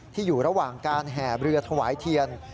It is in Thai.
อยู่ระหว่างการแห่เรือถวายเทียน